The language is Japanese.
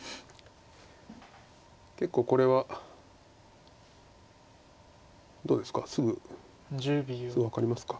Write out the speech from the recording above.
結構これはどうですかすぐ分かりますか？